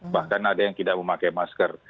bahkan ada yang tidak memakai masker